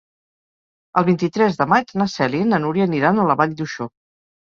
El vint-i-tres de maig na Cèlia i na Núria aniran a la Vall d'Uixó.